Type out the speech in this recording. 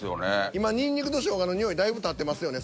今ニンニクとショウガの匂いだいぶ立ってますよね